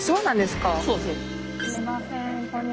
すいません